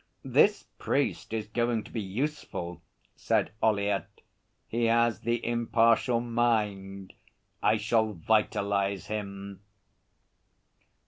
'This priest is going to be useful,' said Ollyett. 'He has the impartial mind. I shall vitalise him.'